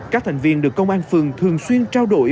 các thành viên được công an phường thường xuyên trao đổi